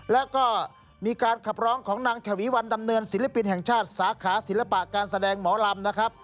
แล้วก็มีการขับร้องของนางฉวีวันดำเนินศิลปินแห่งชาติสาขาศิลปะการแสดงหมอลำนะครับ